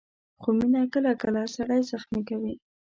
خو مینه کله کله سړی زخمي کوي.